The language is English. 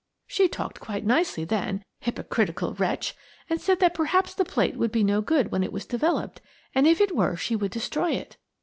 She talked quite nicely then–hypocritical wretch!–and said that perhaps the plate would be no good when it was developed, and if it were she would destroy it.